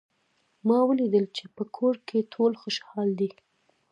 ما ولیدل چې په کور کې ټول خوشحال دي